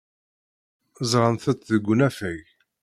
Ẓrant-t deg unafag.